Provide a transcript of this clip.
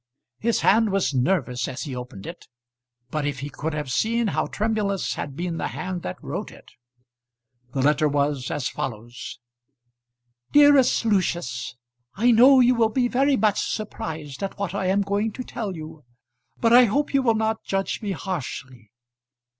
His hand was nervous as he opened it; but if he could have seen how tremulous had been the hand that wrote it! The letter was as follows: DEAREST LUCIUS, I know you will be very much surprised at what I am going to tell you, but I hope you will not judge me harshly.